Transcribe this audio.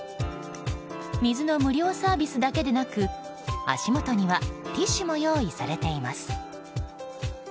水の無料サービスだけでなく足元にはティッシュも用意されています。